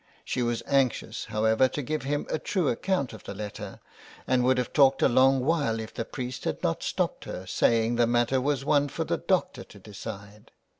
She was anxious, however, to give him a true account of the letter, and would have talked a long while if the priest had not stopped her, saying the matter was one for the doctor to decide.